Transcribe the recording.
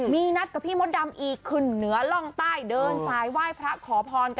มีนัดกับพี่มดดำอีกขึ้นเหนือร่องใต้เดินสายไหว้พระขอพร